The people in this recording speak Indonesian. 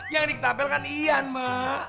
yang diketapel kan ian mak